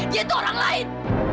dia itu orang lain